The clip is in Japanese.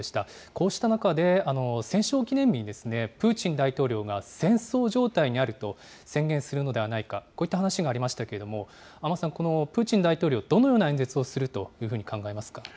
こうした中で、戦勝記念日にプーチン大統領が戦争状態にあると宣言するのではないか、こういった話がありましたけども、安間さん、プーチン大統領、どのような演説をするというふうに考えられますか。